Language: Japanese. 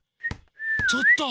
ちょっと！